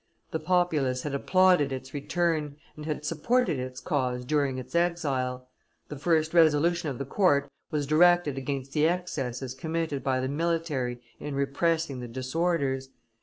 The populace had applauded its return and had supported its cause during its exile; the first resolution of the court was directed against the excesses committed by the military in repressing the disorders.